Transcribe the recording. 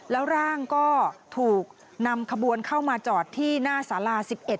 แล้วร่างก็ถูกนำขบวนเข้ามาจอดที่หน้าสารา๑๑